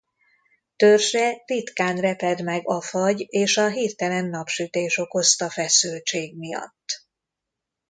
Törzse ritkán reped meg a fagy és a hirtelen napsütés okozta feszültség miatt.